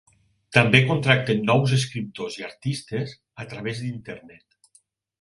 També contracten nous escriptors i artistes a través d'Internet.